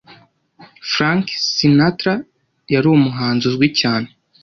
Frank Sinatra yari umuhanzi uzwi cyane